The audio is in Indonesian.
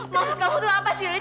maksud kamu tuh apa sih list